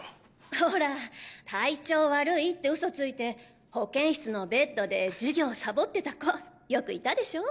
ホラ体調悪いってウソついて保健室のベッドで授業サボってた子よくいたでしょ？